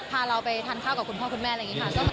พาเราไปทานข้าวกับคุณพ่อคุณแม่อะไรอย่างนี้ค่ะ